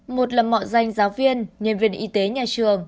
một là mạo danh giáo viên nhân viên y tế nhà trường